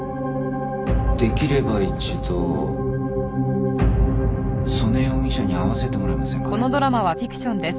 できれば一度曽根容疑者に会わせてもらえませんかね？